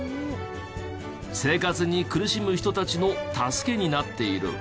生活に苦しむ人たちの助けになっている。